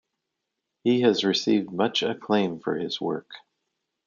He has received much acclaim for his work.